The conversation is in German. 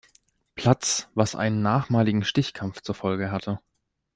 Platz, was einen nachmaligen Stichkampf zur Folge hatte.